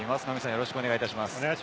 よろしくお願いします。